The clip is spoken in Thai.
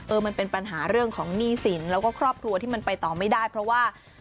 มันเป็นปัญหาเรื่องของหนี้สินแล้วก็ครอบครัวที่มันไปต่อไม่ได้เพราะว่า